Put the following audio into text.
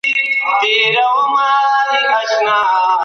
استازو به د غصب سويو ځمکو د بېرته راګرځولو هڅه کړي وي.